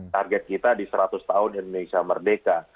target kita di seratus tahun indonesia merdeka